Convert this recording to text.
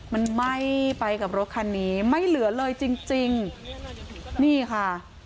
มันไหม้ไปกับรถคันนี้ไม่เหลือเลยจริงจริงนี่ค่ะ